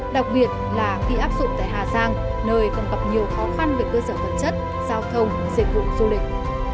đặc biệt là khi áp dụng tại hà giang nơi còn gặp nhiều khó khăn về cơ sở vật chất giao thông dịch vụ du lịch